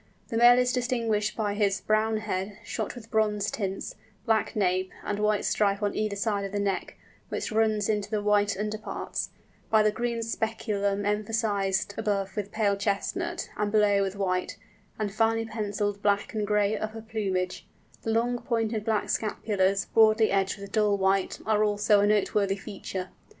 The male is distinguished by his brown head, shot with bronze tints, black nape, and white stripe on either side of the neck, which runs into the white underparts; by the green speculum emphasised above with pale chestnut, and below with white, and finely pencilled black and gray upper plumage: the long pointed black scapulars, broadly edged with dull white, are also a noteworthy feature.